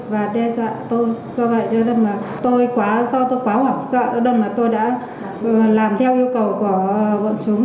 và đe dọa tôi do vậy do tôi quá hoảng sợ do tôi đã làm theo yêu cầu của bọn chúng